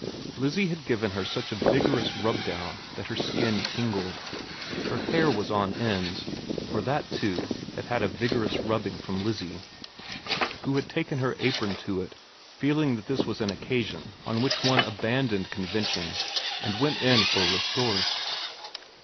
Lizzie had given her such a vigorous rub down that her skin tingled. Her hair was on ends, for that too had had a vigorous rubbing from Lizzie, who had taken her apron to it feeling that this was an occasion on which one abandoned convention and went in for resource.